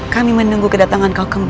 kami menunggu kedatangan kaum kembali